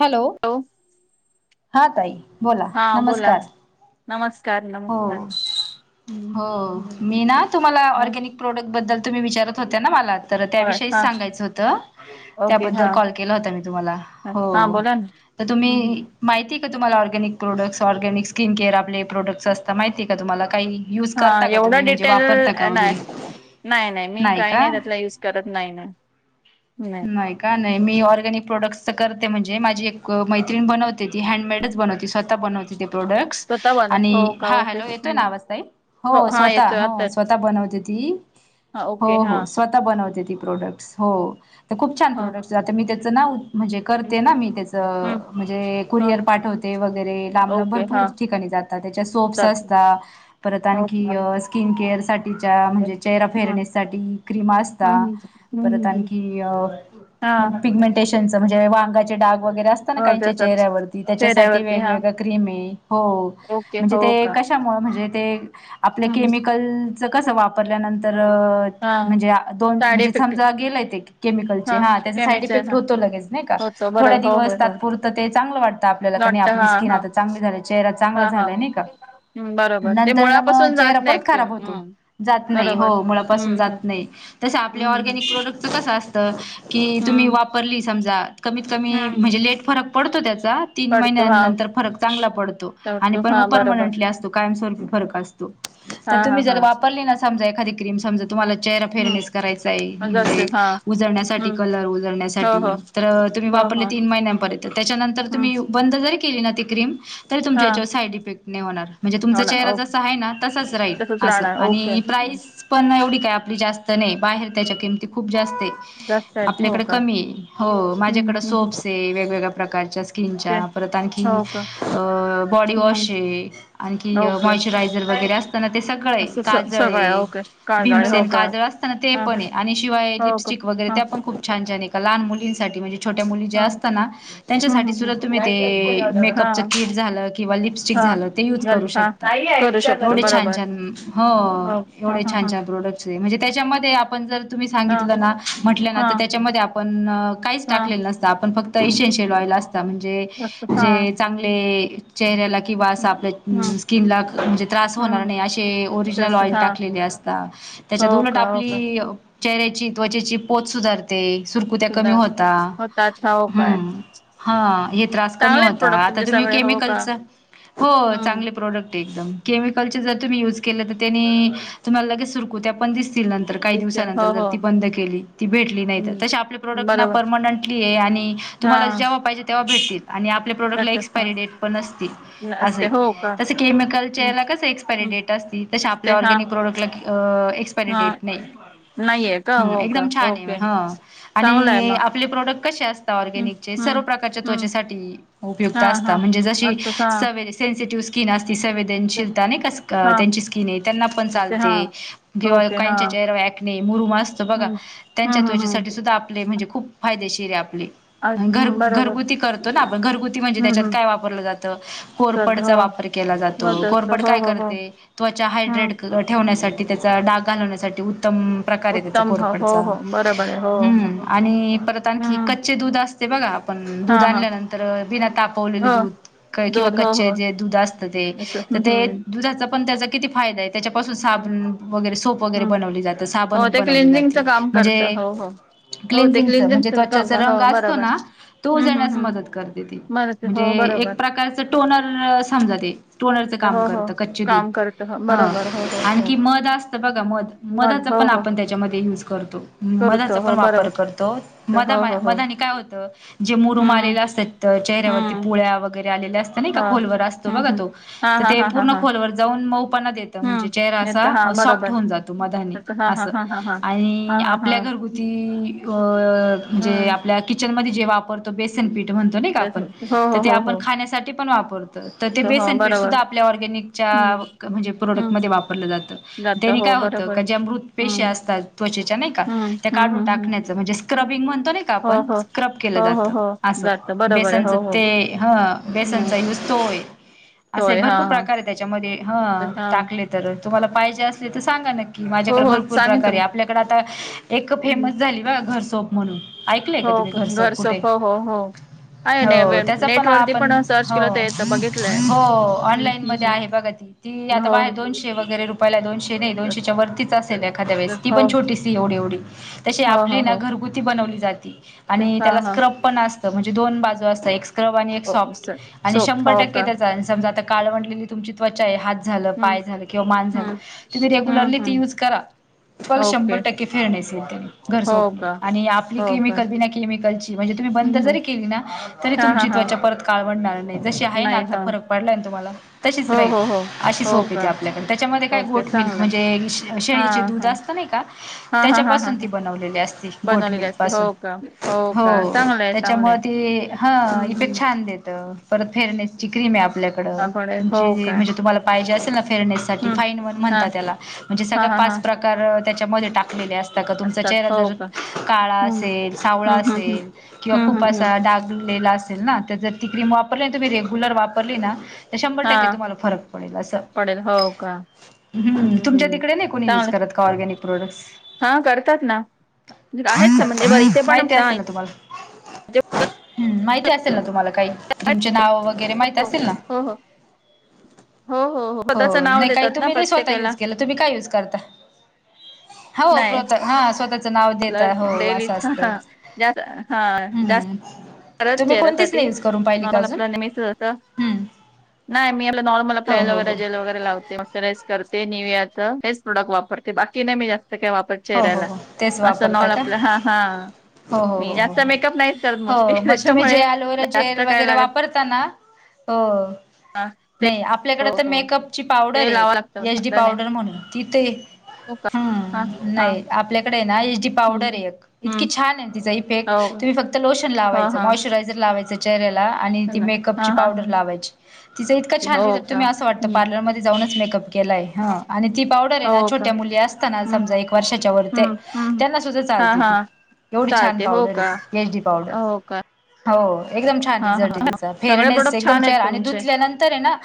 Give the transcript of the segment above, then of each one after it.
Hello हा ताई. बोला नमस्कार हो. हो मी ना तुम्हाला ऑरगॅनिक प्रोडक्ट बद्दल तुम्ही विचारत होत्या ना मला. तर त्याविषयीच सांगायचं होतं त्याबद्दल कॉल केला होता मी तुम्हाला हो. तर तुम्ही. माहिती का तु्हाला organic product organic skin care आपले प्रोडक्टस असत माहिती का तू मला काही. युज करता का तुम्ही म्हणजे वापरता का वगैरे. नाही नाही मी काही नाही त्यातला युज करत नाही म नाही का नाही मी ऑरगॅनिक प्रोडक्ट्सच करते म्हणजे माझी एक मैत्रीण बनवते ती हँडमेड बनवते स्वतः बन ते प्रोडक्ट आणि हा हॅलो येतोय ना आवाज येतोय ताई हो स्वता हो स्वतः बनवते ती हो हो स्वतः बनवते. प्रॉडक्स हो खुप छान प्रोडक्स मी त्याच ना. म्हणजे करते ना मी तेज म्हणजे. कुरिअर पाठवते वगैरे लांब लाब भरपूर ठिकाणी जातात त्याच्या सोप्स असतात परत आणखी. कि स्किन केअर साठीच्या म्हणजे चेहरा फेरनेससाठीठी क्रीमा असता. परत आणखी पिग्मेंटेशन. म्हणजे वांगा चे डाग वगैरे असत ना का चेऱ्यावर. त्याच्यासाठी वेगवेगळ्या क्रीम हो म्हणजे ते कशामुळे म्हणजे ते आपल्या. केमीकल कस वापरल्यानंतर. म्हणजे दोन म्हणजे समजा गेलाय केमिकल चे हा त्याचा साईड इफेक्ट होतो ल. थोडे दिवस ते. आपल्याला कनिआपली स्किन आता चांगले झाले चेहरा चांगला झालाय नाही का नंतर ला पण. ते चेहरा परत खराब होतो परत जात नाही हो जात नही मुळापासून जात नाही जसं आपल्या ऑरगॅनिक प्रॉडक्ट कस असतं. कि तुम्ही वापरली समजा कमीत कमी म्हणजे लेट फरक पडतो त्याचा- तीन महिन्यांनंतर फरक चांगला पडतो आणि पण मग परमनंटली असतो कायमस्वरूपी फरक असतो. तर तुम्ही जर वापरली ना समजा एखादी क्रीम समज तुम्हाला चेहरा फेरणेस करायचा आहे म्हणजे उजळण्यासाठी कलर उजळण्यासाठी तर.. तुम्ही वापरले तीन महिन्यांपर्यंत त्याच्यानंतर तुम्ही बंद जरी केली ना ती क्रीम तरी तुमच्या याच्यावर साईड इफेक्ट नाही होणार म्हणजे तुमचा चेहरा जससा आहे ना तसाच राहील असं आणि प्रा. केस पण एवढी. काय आपली जास्त नाही बाहेर त्याच्या किमती खूप जास्त आहे आपल्याकडे कमी आहे. हो माझ्याकडं सोप्स आहे वेगवेगळ्या प्रकारच्या स्किन प्रॉडक्ट आहे. च्या परत आणखी बॉडी वॉश आणखी मॉइश्चर वगैरे. अस ते सगळे काजळ भीमसेन काजळ असताना ते पण आणि शिवाय लिपस्टिक वगैरे त्या पण खूप छान छान लहान मुलींसाठी म्हणजे छोट्या मुली असतना त्यांच्यासाठी.. तुम्ही ते मेकअपच किट झालं किंवा लिपस्टिक झालं ते युज करू शकता. एवढे छान छान हो एवढे छान छान प्रोडक्टस आहे म्हणजे त्याच्यामध्ये आपण जर तुम्ही सांगितलं ना म्हटलं ना तर त्याच्यामध्ये आपण काहीच टाकलेलं नसत आपण फक्त एशिनशियल ऑइल असत. आता म्हणजे जे चांगले चेहऱ्याला किंवा असं आपल्या स्किनला म्हणजे त्रास होणार नाही असे ओरिजिनल ऑइल टाकलेले असतात. त्याच्यात उलट आपली चेहऱ्याची त्वचेची पोच सुधारते. सुरकुत्या कमी होता हम्म हा हे त्रास कमी होता आता तुम्ही केमिकलचा, हो चांगले प्रोडक्ट केमिकलचे जर तुम्ही युज केलं तर त्यांनी तुम्हाला लगेच सुरकूत्या पण दिसतील नंतर काही दिवसानंतर जर ती बंद केली. ती भेटली नाही तर तसे आपले प्रोडक्ट ना परमनंटली आहे आणि तुम्हाला जेव्हा तेव्हा भेटतील आणि आपल्या प्रोडक्टला एक्सपायरी डेट पण असती असं आहे तसं केमिकलच्या कस एक्सपायरी डेट असती तसं आपल्या ऑर्गॅनिक प्रोडक्टला एक्सपायरी डेट नाही. ह एकदम छान आहे हो आणि आपले प्रोडक्ट कसे असता ऑर्गनिकचे सर्व प्रकार ते त्वचेसाठी उपयुक्त असतं म्हणजे जशी सवेरे सेने्सेटिव्ह स्कीन असते संवेदनशीलता नाही का त्यांची ची स्किन त्यांना पण चालते किंवा काहिच्या चेहऱ्यावर हे मुरूम असतं बघा त्यांच्या त्वचेसाठी सुध्दा आपले म्हणजे खूप फायदेशीर आहे आपली घरगुती घरगुती करतो ना आपण घरगुती म्हणजे त्याच्यात काय वापरलं जातं कोरपडचा वापर केला जातो. कोरपड काय करते त्वचा हायड्रेट ठेवण्यासाठी त्याचा डाग घालवण्यासाठी. उत्तम प्रकार आहे त्याचा कोरपडचा हम्म आणि परत आणखी कच्चे दूध असत. पण दूध आणल्यानंतर बिना तापवलेले दूध किंवा कच्चे जे दूध असतं ते. तर ते दुधाचा पण त्याचा किती फायदा आहे. त्याच्यापासून साबण वगैरे सोप वगैरे बनवली जातं साबण बनवली जाती म्हणजे क्लीन्झिन्गचं म्हणजे त्वचाचा रंग असतो ना तो जाण्यास मदत करते ते म्हणजे एक प्रकारच टोनर समजा ते टोनरच काम करतं कच्चे दूध. की मध असत बघा मध मधाचा पण आपण त्याच्यामध्ये युज करतो मधाचा पण वापर करतो. मधा मधानी काय होत मुरूम आलेला असत्यात चेहऱ्यावरती पुळ्या वगैरे आणि नाही का खोलवर असतो बघा तो तर ते पूर्ण खोलवर जाऊन मऊ [unintelligible] म्हणजे चेहरा असा सॉफ्ट होऊन जातो मधाने असं आणि आपल्या कृती अं जे आपल्या किचन मध्ये जे वापरतो बेसन पिठ ते म्हणतो नाही का आपण त ते आपण खाण्यासाठी पण वापरतो. तर ते बेसनपीठ सुद्धा आपल्या ऑर्गॅनिकच्या म्हणजे प्रोडक्टमध्ये वापरलं जातं. त्यानि काय होत ज्या मृत पेश असतात त्वचेच्या नाही का त्या काढून टाकण्याचं म्हणजे स्क्र बिंग म्हणतो ना का आपण स्क्रब केलं जातो. असं बेसनचं ते हं बेसनचा युज तो हे असे भरपूर प्रकार आहे त्याच्यामध्ये ह टाकले तर तुम्हाला पाहिजे असले तर सांगा नक्की कि माझ्याकडे भरपूर प्रकारे आपल्याकडे आता एक फेमस झाली बा घरसोप म्हणून ऐकलंय का तुम्ही घरचो कुठे हो हो हो त्याचा पण आपण हो हो ऑनलाईन मध्ये आहे बघा ते ती आता बाहेर आहे दोनशे वगैरे रुपयाला दोनशे नाही दोनशेच्या वरतीच असेल एखाद्या वेळेस ती पण छोटीशी हो एवढी तशी आपली ना घरगुती बनवली जाती आणि त्याला स्क्रब म्हणजे दोन बाजू असता एक स्क्रब आणि एक सॉफ्ट आणि शंभर टक्के त्याच समजा आता काळवंडलेली तुमची त्वचा आहे हात झालं पाय झालं किंवा मान झालं तुम्ही रेगुलरली ती युज करा. शंभर टक्के फेअरनेस येते घर सोपने आणि आपली केमिकल बिना केमिकलची म्हणजे बंद जरी केली ना तरी तुमची त्वचा परत काळवडणार नाही. जशी आहे ना आता फरक पडलाय ना तुम्हाला तशीच राहील अशी सोप येते आपल्याकडे त्याच्यामध्ये काय गोठ मि म्हणजे शेळीचे दुध असतं नाही का त्याच्या पासून ती बनवलेली असते गोठमिल पावडर हो का हो का चांग त्याच्यामुळे ती हा इफेक्ट छान देतं परत फेअरनेसची क्रीम आहे आप आपल्याकडं तुमची म्हणजे तुम्हाला पाहिजे असेल ना फेअरनेस साठी फाईन वन म्हणतात त्याला म्हणजे सगळ्या पाच प्रकार त्याच्यामध्ये टाकलेले असतात का तुमचा चेहरा जर काळा असेल सावळा असेल. किंवा खूप असा डागलेला असेल ना तर जर ती क्रीम वापरली ना रेगुलर कुलर वापरली ना तर शंभर टक्के तुम्हाला फरक पडेल अस. ह तुमच्या तिकडे नाही कोणी युज करत का ऑर्गॅनिक. हा करतात ना आहेत स म्हणजे बर इथे पणां. ज. हम् माहिती असेल ना तुम्हाला काही तुमचे नाव वगैरे माहित असतील ना. हो नाही काही तुम्ही नाही स्वतः युज केला तुम्ही काय युज करता. हो प्रत हा स्वतः. आपल्या डेली हा जात खरच चेहऱ्यासाठी नॉमल आपला नेहमी नाही मी. नॉर्मल आपल्या एलोवेराेल वगैरे लावते मॉस्चराईज करते. निविया हेच प्रोडक्ट वापरते बाकी नाही मी जास्त काय वापर चेहऱ्याला असं नवल आपलं हा हा मी जास्त मेकअप नाहीच करत मोस्टली त्याच्यामुळे जास्त काय लागत हो नाही आपल्याकडे तर मेकअपची पावडर एक एच डी पावडर म्हणून तिथे हो का हा. आपल्याकडे एच डी पावडर इतकी छान आहेि इफेक्ट तुम्ही फक्त लोशन. लावायच मॉचरायर लावायं चेऱ्याला. आणि ती मेकअप ची पावडर लाव्हायची तिचा इतका छान रिसल्ट असं वाटत पार्लर मध्ये जाऊनच मेकअप केला. आणि ती पावडर आहे छोट्या मुली असताना समजा वर्षाच्या वर ते त्यांना सुद्धा चालते ती. एवढी छान पावडर आहे एच डी पावडर हो. एकदम छान रिझल्ट आहे तिचा फेरनेस एकदम चेहराआणि धुतल्यानंतर आहे ना.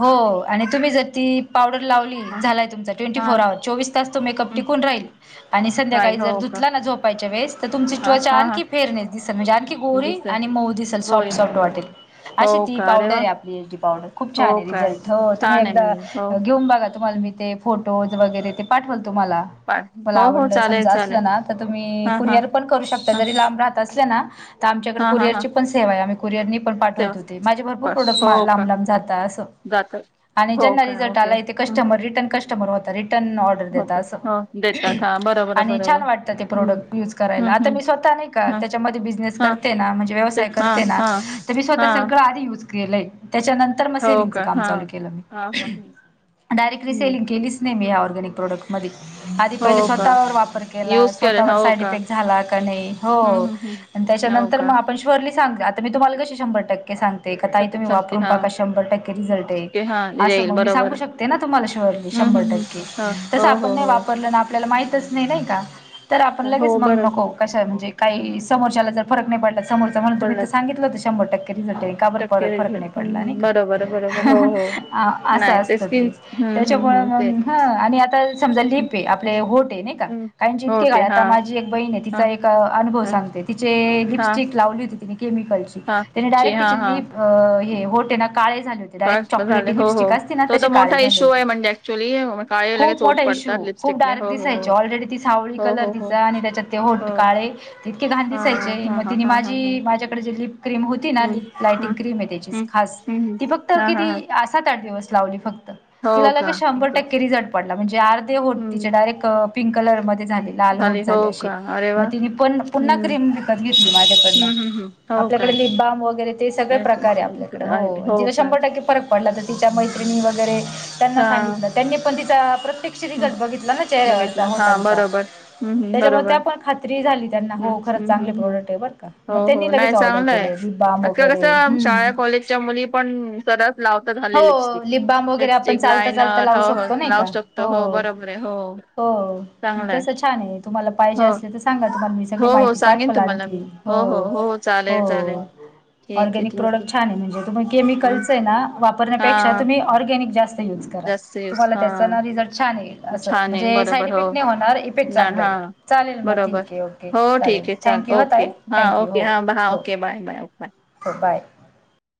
हो आणि तुम्ही जर ती पावडर लावली झालाय तुमचा ट्वेंटी फोर अ चोवीस तास मेकपन टिकून राहील आणि संध्याकाळी जर धुतला ना झोपायच्या वेळेस तर तुमचीत्वचा आणखी फेअरनेस दिसेल. म्हणजे आणखी गोरी आणि मऊ दिसेल सॉफ्ट सॉफ्ट वाटेल अशी ती पावडर आहे आपली पावडर खूप खूप छान आहे रिझल्ट हो तुम्ही एकदा घेऊन बघा तुम्हाला मी ते फोटोज वगैरे ते पाठव. तुम्हाला. मला आवडलं समजा असलं ना तर तुम्ही कुरिअर पण करू शकता जरी लांब राहत असले ना. आमच्याकडे कुिअरची प सेवा आहे आम्ही कुरिअरनी प पाठवत होते माझे भरपूर प्रोडक्ट लांब लांब जात असं. जात. आणि ज्यांना रिझल्ट आला इथे कस्टमर रिटर्न कस्टमर होता रिटर्न. ऑर्डर देतात अस आणि छान वाटत ते प्रोडक्ट युज करायला आता मी स्वतः नाही कर. त्याच्यामध्ये बिजनेस करते ना म्हणजे व्यवसाय करते ना तर मी स्वतः सगळं आधी युज केलंय. त्याच्यानंतर मग सेलिंगच काम चालू केलं मी डायरेक्ट रीसेलिंग केलीच नाही मी या. र्गािक प्रॉडक्टमध्ये आधी पहिले स्वतःवर वापर केला स्वतःवर साईड इफेक्ट झाला का नाही हो. आणि त्याच्यानंतर मग आपण श्युअरली सांग आता मी तुम्हाला कशी शंभर टक्के सांग. ताई तुम्ही वापून बघा शंभर टक्के रिझल्ट आहे. शंभर टक्के तस आपण नाही वापरलं ना आपल्याला माहितच नाही नाही का. तर आपण लगेच मग नको कशा म्हणजे काही समोरच्याला जर फरक नाही पडला. समोरचा म्हणतो मी सांगितलं होतं शंभर टक्के. कार फरक नाही पडला नाही का असं असत ते. त्याच्यामुळे मग ह आणि आ. समजा लिप आहे आपले होट आहे नाही का कारणितके काळ आता माझी एक बहीण आहे तिचा एक अनुभव सांगते. त लिपस्ट लाली हो तमलची डायरेट काळे झाले होते डायरेक्ट चॉकलेटी लिपस्टिक असते ना तसे काळे झाले होते खूप मोठा इश्यू खूप डार्क दिसायचे ऑलरेडी ती सावळी कलर तिचा आणि त्याच्यात ते होट काळे तितके घान दिसायचे मग तिने माझी माझ्याकडे जेली क्रीम होती ना लाटिंग कम त्याची खास ती फक्त कि असात आठ दिवस लावली फक्त तिला लगेच शंभर टक्के रिझल्ट पडला म्हणजे अर्धे होट डायरेक्ट तिचे कलर मध्ये झाली लाल होट झाली अशी मग तिने पण पुन्हा क्रीम विकत घेतली माझ्याकडन आपल्याकडे लिपबाम वगैरे ते सगळ प्रकारे आपल्याकडे हो जिन शंभर टक्के फरक पडला त तिच्या मैत्रिणी वगैरे त्यांना सांगितलं त्यांनी पण ति प्र रिझल्ट बघितला ना चेहऱ्यावरचा होटलचा त्याच्यामुळे त्या पण खात्री झाली त्यांना हो ह् ह् ह् हो हो नाही चांगलंय आज का कसं शाळा कॉलेजच्या मुली पण सरच लावता झाले लिपस्टिक लिपस्टिक लायनर लावू शको हो बरोबर आहे हो हो तसं छान आहे तुम्हाला पाहिजे असले तर सांगा तुम्हाला मी सगळी माहिती पाठवाल आणखी हो हो हो हो चालेल चालेल ऑरगॅनिक प्रोडक्ट छान आहे म्हणजे तुम्ही केमिकलच ना वापण्यापेक्षा तुम्ही ऑर्गॅनिक जास्त युज करा तुम्हाला त्याचे ते छान आहे बरोबर हो ना हा बरोबर हो ठीक आहे. चाल ओके हा ओके हा ह ओके बाय बायओ बाय. हो बाय.